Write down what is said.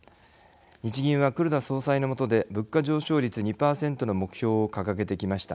日銀は黒田総裁の下で物価上昇率２％の目標を掲げてきました。